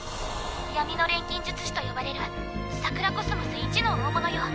闇の錬金術師と呼ばれる桜宇宙いちの大物よ